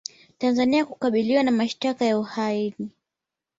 Tanzania kukabiliwa na mashtaka ya uhaini